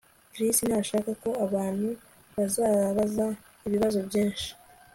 Chris ntashaka ko abantu babaza ibibazo byinshi